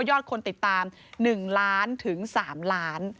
อดคนติดตาม๑ล้านถึง๓ล้าน